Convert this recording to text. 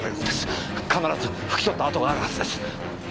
必ずふき取った跡があるはずです！